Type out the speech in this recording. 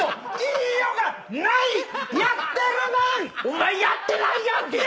お前やってないやんけ！